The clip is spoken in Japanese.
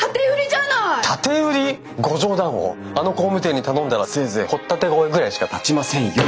あの工務店に頼んだらせいぜい掘っ立て小屋ぐらいしか建ちませんよ！